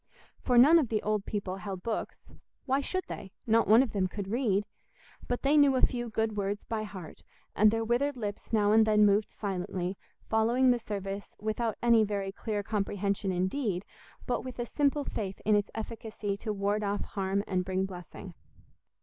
For none of the old people held books—why should they? Not one of them could read. But they knew a few "good words" by heart, and their withered lips now and then moved silently, following the service without any very clear comprehension indeed, but with a simple faith in its efficacy to ward off harm and bring blessing.